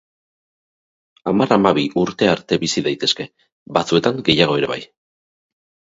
Hamar-hamabi urte arte bizi daitezke, batzuetan gehiago ere bai.